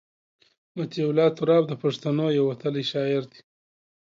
مطیع الله تراب د پښتنو یو وتلی شاعر دی.